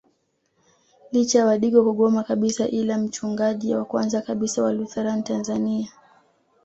Licha wadigo kugoma kabisa ila mchungaji wa kwanza kabisa wa Lutheran Tanzania